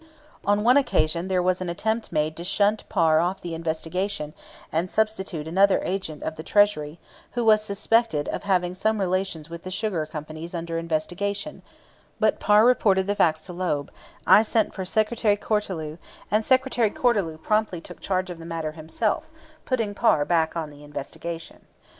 On one occasion there was an attempt made to shunt Parr off the investigation and substitute another agent of the Treasury, who was suspected of having some relations with the sugar companies under investigation; but Parr reported the facts to Loeb, I sent for Secretary Cortelyou, and Secretary Cortelyou promptly took charge of the matter himself, putting Parr back on the investigation.